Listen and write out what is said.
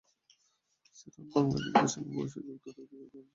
যাঁরা বাংলালিংকের সঙ্গে ভবিষ্যতে যুক্ত থাকতে চান না, তাঁরা সুবিধাটি নিতে পারেন।